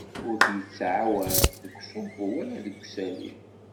Ur tt-yettɛawan deg uṣubbu wala deg usali.